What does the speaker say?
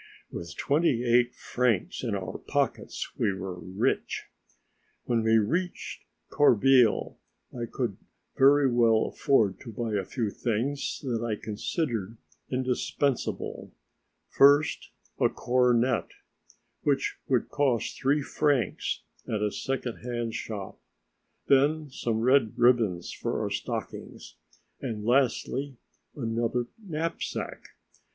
With twenty eight francs in our pockets we were rich. When we reached Corbeil I could very well afford to buy a few things that I considered indispensable: first, a cornet, which would cost three francs at a second hand shop, then some red ribbons for our stockings and, lastly, another knapsack.